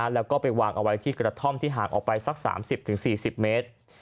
แล้วก็ไปวางเอาไว้ที่กระท่อมที่ห่างออกไปสัก๓๐๔๐เมตร